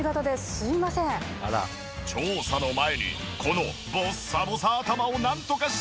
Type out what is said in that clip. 調査の前にこのボッサボサ頭をなんとかしたい！